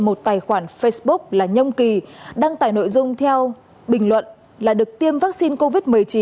một tài khoản facebook là nhông kỳ đăng tải nội dung theo bình luận là được tiêm vaccine covid một mươi chín